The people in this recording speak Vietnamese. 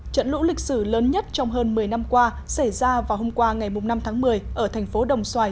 trận lũ lịch sử lớn nhất trong hơn một mươi năm qua xảy ra vào hôm qua ngày năm tháng một mươi ở thành phố đồng xoài